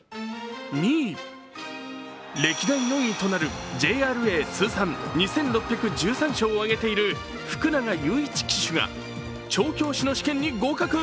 歴代４位となるＪＲＡ通算２６１３勝を挙げている福永祐一騎手が、調教師の試験に合格。